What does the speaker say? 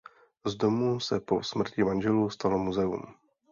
Z domu se po smrti manželů stalo muzeum.